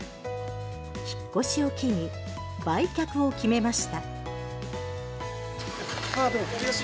引っ越しを機に売却を決めました。